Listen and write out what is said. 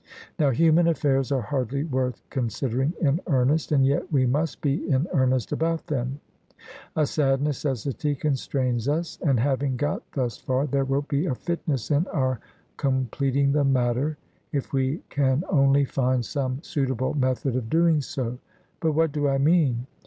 Now human affairs are hardly worth considering in earnest, and yet we must be in earnest about them a sad necessity constrains us. And having got thus far, there will be a fitness in our completing the matter, if we can only find some suitable method of doing so. But what do I mean?